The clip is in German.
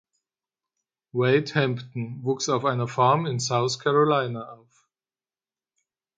Wade Hampton wuchs auf einer Farm in South Carolina auf.